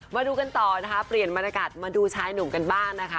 มาดูกันต่อนะคะเปลี่ยนบรรยากาศมาดูชายหนุ่มกันบ้างนะคะ